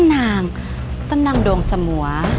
tenang tenang dong semua